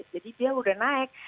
jadi dia udah naik